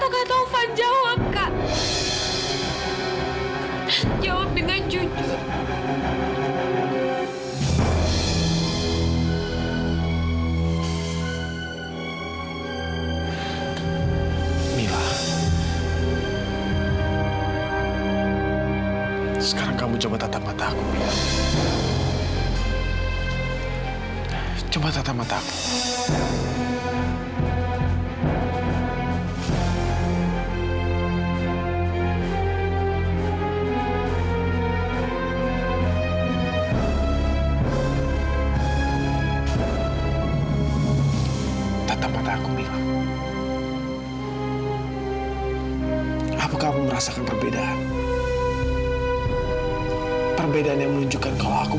kau fadil fadil apa kak